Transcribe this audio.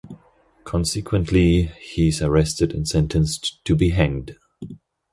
Consequently, he is arrested and sentenced to be hanged.